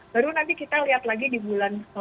baru nanti kita lihat lagi di bulan